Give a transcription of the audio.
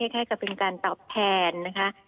แค่กับเป็นการตอบแผนนะคะ